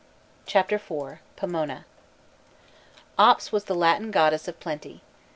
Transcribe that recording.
CHAPTER IV POMONA Ops was the Latin goddess of plenty.